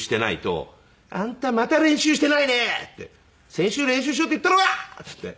「先週練習しろって言ったろうが！」って言って。